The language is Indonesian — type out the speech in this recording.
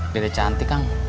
bede cantik kang